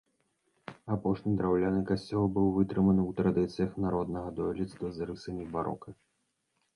Апошні драўляны касцёл быў вытрыманы ў традыцыях народнага дойлідства з рысамі барока.